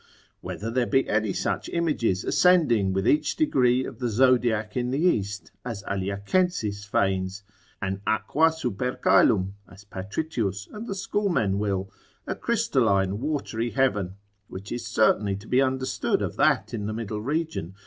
Whether there be any such images ascending with each degree of the zodiac in the east, as Aliacensis feigns? An aqua super coelum? as Patritius and the schoolmen will, a crystalline watery heaven, which is certainly to be understood of that in the middle region?